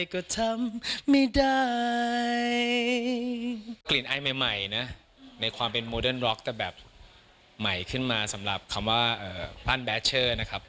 ก็ทำไม่ได้กลิ่นไอใหม่นะในความเป็นโมเดิร์ล็อกแต่แบบใหม่ขึ้นมาสำหรับคำว่าปั้นแบชเชอร์นะครับ